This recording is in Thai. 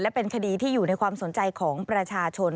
เป็นคดีที่อยู่ในความสนใจของประชาชน